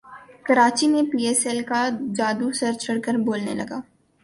کراچی میں P S L کا جادو سر چڑھ کر بولنے لگا